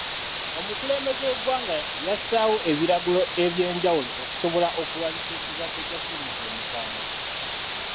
Omukulemelembeze w'eggwanga yassaawo ebiragiro eby'enjawulo okusobola okulwanyisa ekirwadde kya ssennyiga omukambwe.